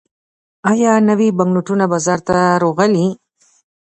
آیا نوي بانکنوټونه بازار ته راغلي؟